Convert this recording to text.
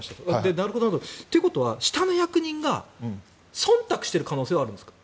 なるほどなと。ということは下の役人がそんたくしている可能性はあるんですか？